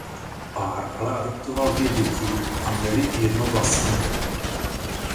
Pár ale adoptoval dvě děti a měli i jedno vlastní.